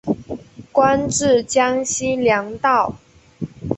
官至江西粮道。